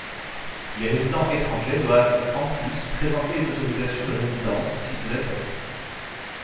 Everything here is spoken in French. Les résidents étrangers doivent en plus présenter une autorisation de résidence si cela s'applique.